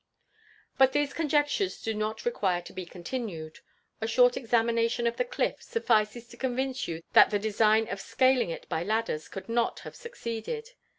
But these conjectures do not require to be continued. A short examination of the cliff suffices to convince you that the design of scaling it by ladders could not have succeeded.